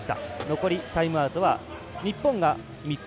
残りタイムアウトは日本が３つ。